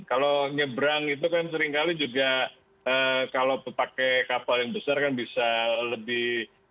kalau nyebrang itu kan seringkali juga kalau pakai kapal yang besar kan bisa lebih